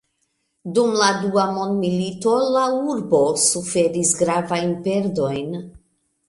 Dum la dua mondmilito la urbo suferis gravajn perdojn.